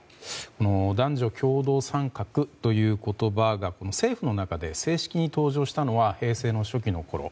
男女共同参画という言葉が政府の中で正式に登場したのは平成の初期のころ。